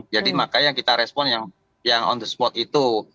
jadi makanya kita respon yang on the spot itu